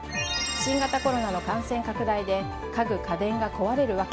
新型コロナの感染拡大で家具、家電が壊れる訳。